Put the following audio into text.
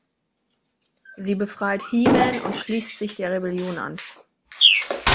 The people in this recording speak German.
Sie befreit He-Man und schließt sich der Rebellion an.